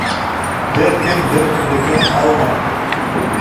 Бер кем бер кемдекен алмай!